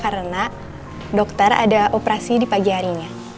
karena dokter ada operasi di pagi harinya